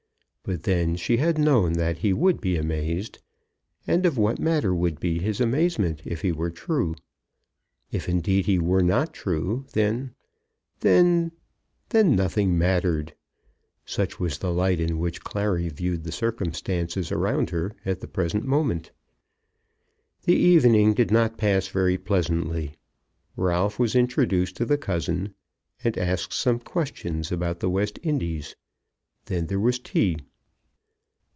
But then she had known that he would be amazed. And of what matter would be his amazement, if he were true? If, indeed, he were not true, then, then, then nothing mattered! Such was the light in which Clary viewed the circumstances around her at the present moment. The evening did not pass very pleasantly. Ralph was introduced to the cousin, and asked some questions about the West Indies. Then there was tea.